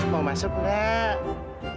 mau masuk enggak